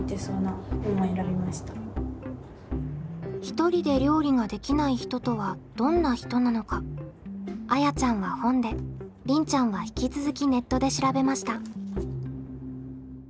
ひとりで料理ができない人とはどんな人なのかあやちゃんは本でりんちゃんは引き続きネットで調べました。